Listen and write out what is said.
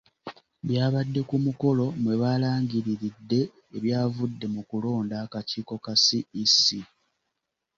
Byabadde ku mukolo mwe balangiriridde ebyavudde mu kulonda akakiiko ka CEC.